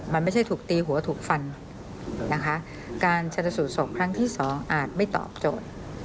มันไม่ใช่ถูกตีหัวถูกฟันนะคะการชนสูตรศพครั้งที่สองอาจไม่ตอบโจทย์